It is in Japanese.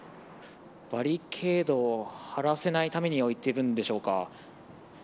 バリケードを張らせないために置いているんでしょうか。